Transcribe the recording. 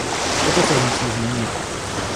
Toto se musí změnit.